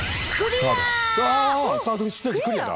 うわサードステージクリアだ。